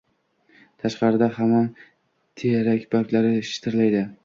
Tashqarida hamon terak barglari shitirlaydi.